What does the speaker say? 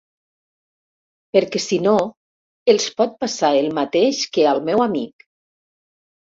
Perquè sinó els pot passar el mateix que al meu amic.